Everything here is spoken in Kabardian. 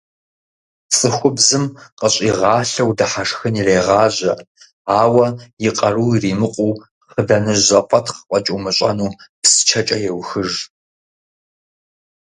Цӏыхубзым къыщӏигъалъэу дыхьэшхын ирегъажьэ, ауэ, и къару иримыкъуу, хъыданэжь зэфӏатхъ фӏэкӏ умыщӏэну, псчэкӏэ еухыж.